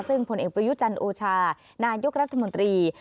ซึ่งผลเอกประยุจันทร์โอชานายกรัฐมนตรี